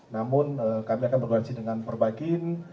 namun kami akan berkoordinasi dengan perbagin